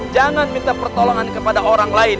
jangan minta pertolongan kepada orang lain